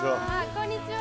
こんにちは。